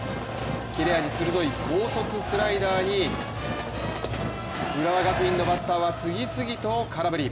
切れ味鋭い高速スライダーに浦和学院のバッターは次々と空振り。